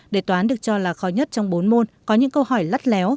đề toán được cho là khó nhất trong bốn môn có những câu hỏi lắt léo